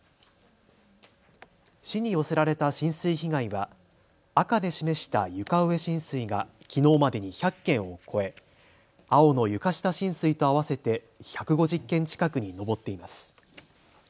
市に寄せられた浸水被害は赤で示した床上浸水がきのうまでに１００件を超え青の床下浸水と合わせて１５０件近くに上っています。